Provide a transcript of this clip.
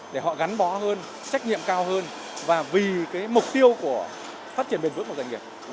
để họ gắn bó hơn trách nhiệm cao hơn và vì mục tiêu của phát triển bền vững của doanh nghiệp